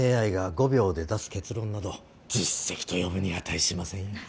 ＡＩが５秒で出す結論など実績と呼ぶに値しませんよ。